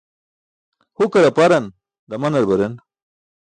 Hukar aparan, damanar baren.